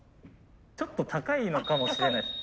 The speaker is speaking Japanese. ちょっと高いのかもしれないです